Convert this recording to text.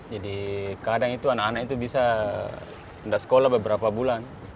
jadi kadang itu anak anak itu bisa undang sekolah beberapa bulan